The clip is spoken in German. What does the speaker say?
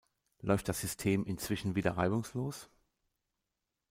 Läuft das System inzwischen wieder reibungslos?